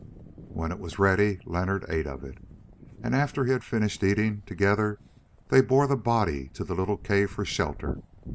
When it was ready Leonard ate of it, and after he had finished eating, together they bore the body to the little cave for shelter.